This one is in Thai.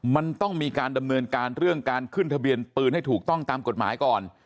มันต้องมีการดำเนินการเรื่องการขึ้นทะเบียนปืนให้ถูกต้องตามกฎหมายก่อน